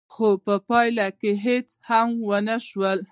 خو په پايله کې هېڅ هم ونه شول.